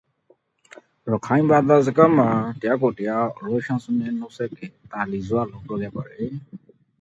A double-girdled style also existed.